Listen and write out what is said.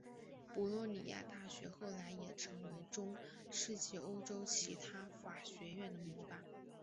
博洛尼亚大学后来也成为了中世纪欧洲其他法学院的模板。